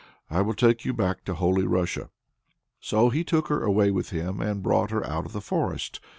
I will take you back to Holy Russia." So he took her away with him, and brought her out of the forest.